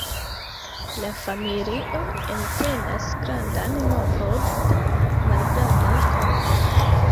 La familio entenas grandan nombron da malgrandaj korpoj.